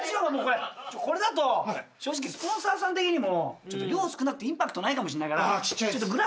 これだと正直スポンサーさん的にも量少なくてインパクトないかもしんないからグラス